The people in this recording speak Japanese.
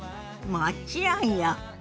もちろんよ。